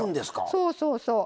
そうそうそう。